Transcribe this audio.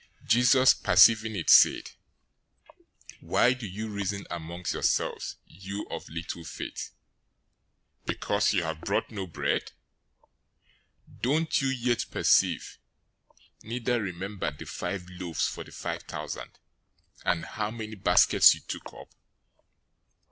016:008 Jesus, perceiving it, said, "Why do you reason among yourselves, you of little faith, 'because you have brought no bread?' 016:009 Don't you yet perceive, neither remember the five loaves for the five thousand, and how many baskets you took up?